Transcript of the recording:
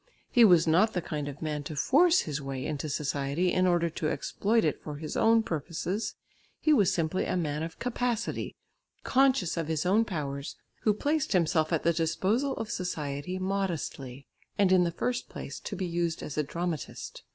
He was not the kind of man to force his way into society in order to exploit it for his own purposes, he was simply a man of capacity conscious of his own powers, who placed himself at the disposal of society modestly, and in the first place to be used as a dramatist.